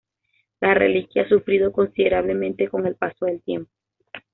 La reliquia ha sufrido considerablemente con el paso del tiempo.